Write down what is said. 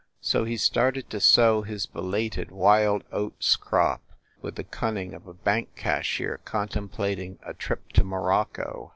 So he started to sow his belated wild oats crop, with the cunning of a bank cashier contemplating a trip to Morocco.